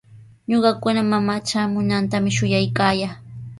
Ñuqakuna mamaa traamunantami shuyaykaayaa.